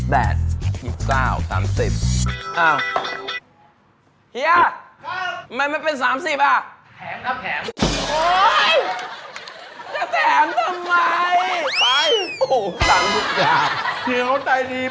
แถมนะแถมโอ้ยจะแถมทำไมไปโอ้โหสั่งลูกจาบเหี้ยเขาใจดี